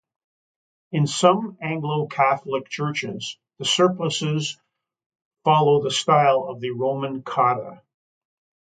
In some Anglo-Catholic churches, the surplices follow the style of the Roman cotta.